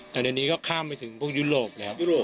แต่ในนี้ก็ข้ามไปถึงพวกยุโรปแล้ว